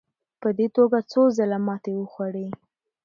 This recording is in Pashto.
په دې توګه څو ځله ماتې وخوړې.